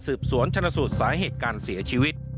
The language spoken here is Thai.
สวนชนสูตรสาเหตุการเสียชีวิต